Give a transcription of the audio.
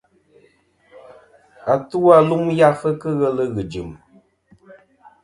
Atu-a lum yafɨ kɨ ghelɨ ghɨ̀ jɨ̀m.